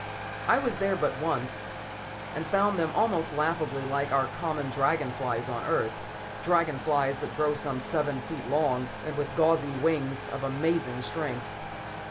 I was there but once, and found them almost laughably like our common dragon flies on Earth; dragon flies that grow some seven feet long, and with gauzy wings of amazing strength.